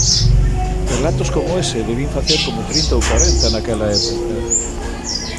Relatos como ese debín facer como trinta ou corenta naquela época.